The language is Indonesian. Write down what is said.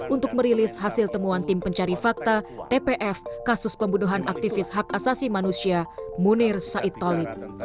untuk merilis hasil temuan tim pencari fakta tpf kasus pembunuhan aktivis hak asasi manusia munir said talib